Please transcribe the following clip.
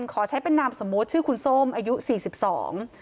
ขอใช้เป็นนามสมมุติชื่อคุณส้มอายุสี่สิบสอง